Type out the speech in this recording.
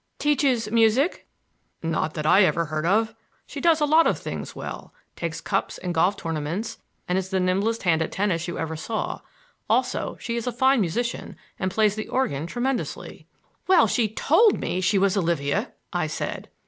"Teaches—music—" "Not that I ever heard of! She does a lot of things well,—takes cups in golf tournaments and is the nimblest hand at tennis you ever saw. Also, she's a fine musician and plays the organ tremendously." "Well, she told me she was Olivia!" I said.